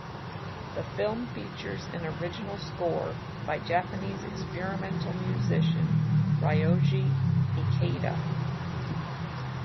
The film features an original score by Japanese experimental musician Ryoji Ikeda.